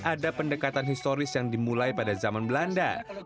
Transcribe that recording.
ada pendekatan historis yang dimulai pada zaman belanda